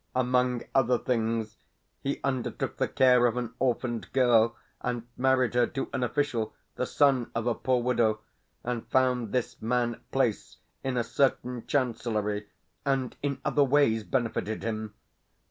Among other things, he undertook the care of an orphaned girl, and married her to an official, the son of a poor widow, and found this man place in a certain chancellory, and in other ways benefited him.